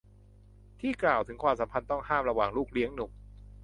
ที่กล่าวถึงความสัมพันธ์ต้องห้ามระหว่างลูกเลี้ยงหนุ่ม